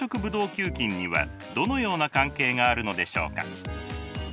球菌にはどのような関係があるのでしょうか。